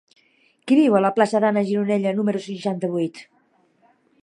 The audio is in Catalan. Qui viu a la plaça d'Anna Gironella número seixanta-vuit?